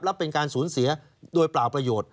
แล้วเป็นสูญเสียด้วยเปล่าประโยชน์